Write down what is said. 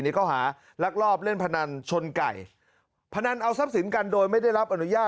ข้อหารักลอบเล่นพนันชนไก่พนันเอาทรัพย์สินกันโดยไม่ได้รับอนุญาต